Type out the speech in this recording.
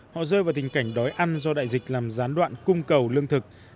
họ rơi vào tình cảnh đói ăn do đại dịch làm gián đoạn cung cầu lương thực